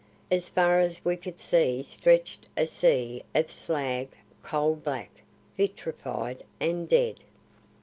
As far as we could see stretched a sea of slag coal black, vitrified and dead.